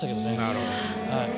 なるほど。